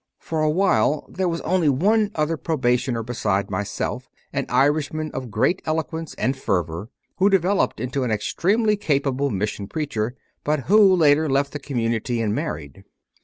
For a while there was only one other probationer besides myself an Irishman of great eloquence and fervour, who developed into an extremely capable mission preacher, but who, later, left the community and married.